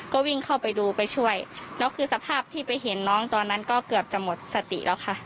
ก็วิ่งเข้าไปดูไปช่วยแล้วคือสภาพที่ไปเห็นน้องตอนนั้นก็เกือบจะหมดสติแล้วค่ะ